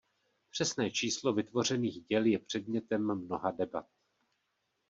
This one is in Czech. Přesné číslo vytvořených děl je předmětem mnoha debat.